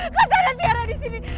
katanya tiara disini